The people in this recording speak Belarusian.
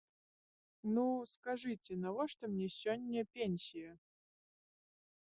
Ну, скажыце, навошта мне сёння пенсія?